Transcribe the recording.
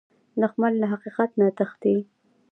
دښمن له حقیقت نه تښتي